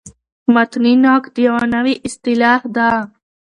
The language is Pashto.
متني نقد یوه نوې اصطلاح ده.